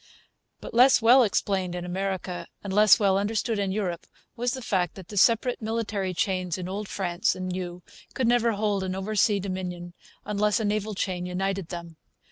But less well explained in America and less well understood in Europe was the fact that the separate military chains in Old France and New could never hold an oversea dominion unless a naval chain united them.